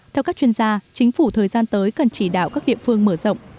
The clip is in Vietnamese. theo các chuyên gia chính phủ thời gian tới cần chỉ đạo các địa phương mở rộng